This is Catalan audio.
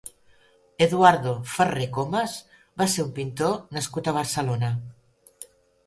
Eduardo Ferrer Comas va ser un pintor nascut a Barcelona.